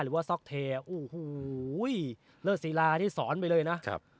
หรือว่าซอกเทอ่ะอู้หูหูยเลิศศีลาที่สอนไปเลยนะครับ